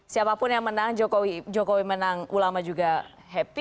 siapapun yang menang jokowi menang ulama juga happy